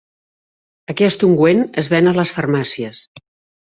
Aquest ungüent es ven a les farmàcies.